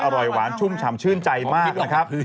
อร่อยหวานชุ่มฉ่ำชื่นใจมากนะครับ